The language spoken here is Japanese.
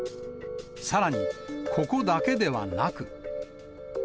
さらに、ここだけではなく。